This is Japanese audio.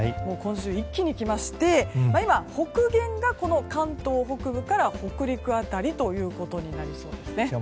今週、一気にきまして今、北限が関東北部から北陸辺りということになりそうですね。